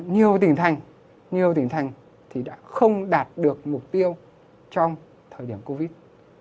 nhiều tỉnh thành đã không đạt được mục tiêu trong thời điểm covid